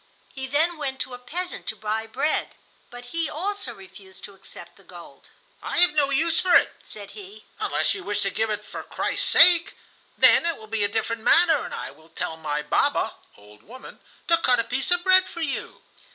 He then went to a peasant to buy bread, but he also refused to accept the gold. "I have no use for it," said he, "unless you wish to give it for Christ's sake; then it will be a different matter, and I will tell my baba [old woman] to cut a piece of bread for you."